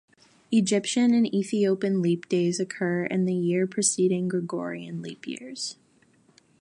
Egyptian and Ethiopian leap days occur in the year preceding Gregorian leap years.